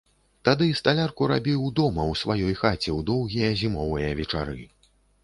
Тады сталярку рабіў дома ў сваёй хаце ў доўгія зімовыя вечары.